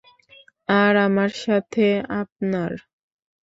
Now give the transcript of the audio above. আর আমার সাথে আপনার।